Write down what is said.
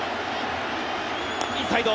インサイド。